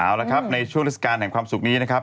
เอาละครับในช่วงเทศกาลแห่งความสุขนี้นะครับ